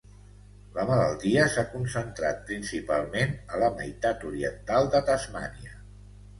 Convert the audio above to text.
La malaltia s'ha concentrat principalment a la meitat oriental de Tasmània.